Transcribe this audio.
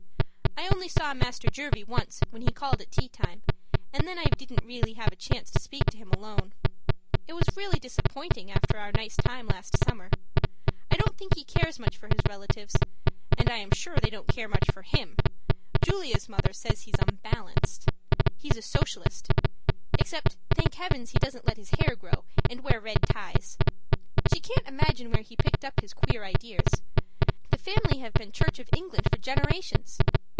I only saw Master Jervie once when he called at tea time, and then I didn't have a chance to speak to him alone. It was really disappointing after our nice time last summer. I don't think he cares much for his relatives and I am sure they don't care much for him! Julia's mother says he's unbalanced. He's a Socialist except, thank Heaven, he doesn't let his hair grow and wear red ties. She can't imagine where he picked up his queer ideas; the family have been Church of England for generations.